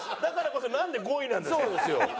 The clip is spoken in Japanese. だからこそなんで５位なのよ。